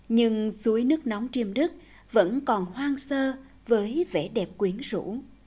nhưng suối nước nóng chiêm đức vẫn còn hoang sơ với vẻ đẹp quyến rũ